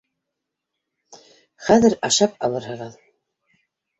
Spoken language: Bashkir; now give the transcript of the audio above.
Хәҙер ашап алырһығыҙ.